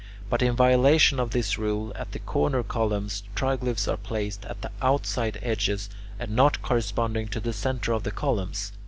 But in violation of this rule, at the corner columns triglyphs are placed at the outside edges and not corresponding to the centre of the columns.